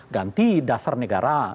ganti dasar negara